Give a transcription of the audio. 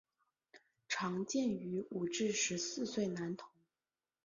常见于五至十四岁孩童。